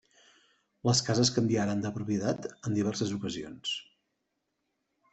Les cases canviaren de propietat en diverses ocasions.